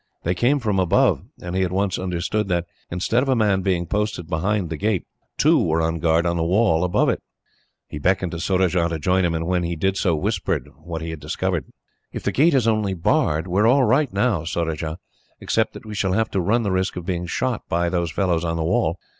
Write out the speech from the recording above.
They came from above, and he at once understood that, instead of a man being posted behind the gate, two were on guard on the wall above it. He beckoned to Surajah to join him, and when he did so, whispered what he had discovered. "If the gate is only barred, we are all right now, Surajah; except that we shall have to run the risk of being shot by those fellows on the wall.